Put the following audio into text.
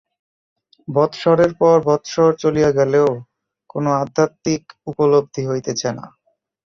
বৎসরের পর বৎসর চলিয়া গেলেও কোন আধ্যাত্মিক উপলব্ধি হইতেছে না।